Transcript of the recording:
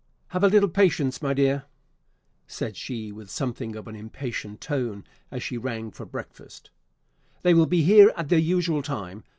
"Have a little patience, my dear!" said she, with something of an impatient tone, as she rang for breakfast; "they will be here at their usual time.